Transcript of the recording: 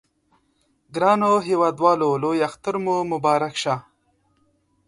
ګرانو هیوادوالو لوی اختر مو مبارک شه!